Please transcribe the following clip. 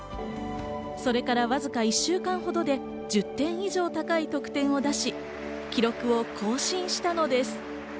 それからわずか１週間ほどで１０点以上高い得点を出し、記録を更新したのです。